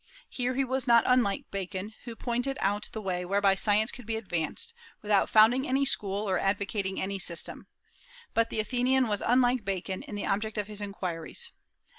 Here he was not unlike Bacon, who pointed out the way whereby science could be advanced, without founding any school or advocating any system; but the Athenian was unlike Bacon in the object of his inquiries.